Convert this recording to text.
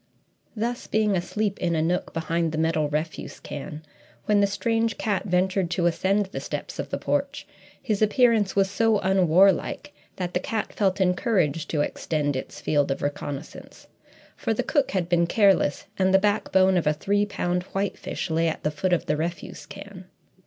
Thus, being asleep in a nook behind the metal refuse can, when the strange cat ventured to ascend the steps of the porch, his appearance was so unwarlike that the cat felt encouraged to extend its field of reconnaissance for the cook had been careless, and the backbone of a three pound whitefish lay at the foot of the refuse can.